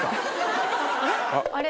あれ？